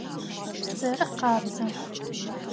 Псыр къабзэ.